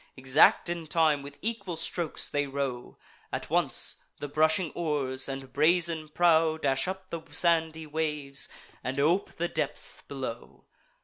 Exact in time, with equal strokes they row: At once the brushing oars and brazen prow Dash up the sandy waves, and ope the depths below.